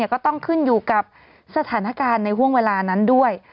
ก็ต้องขึ้นอยู่กับสถานการณ์ในห่วงเวลานั้นด้วย